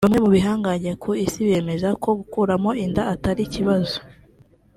Bamwe mu bihangange ku isi bemeza ko gukuramo inda atari kibazo